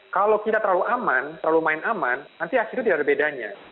kalau kita terlalu aman terlalu main aman nanti akhirnya tidak ada bedanya